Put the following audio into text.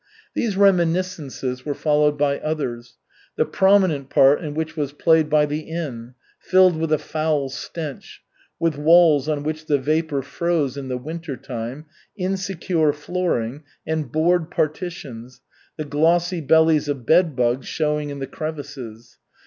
These reminiscences were followed by others, the prominent part in which was played by the inn, filled with a foul stench, with walls on which the vapor froze in the winter time, insecure flooring, and board partitions, the glossy bellies of bed bugs showing in the crevices.